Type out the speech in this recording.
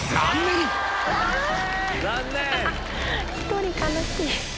１人悲しい。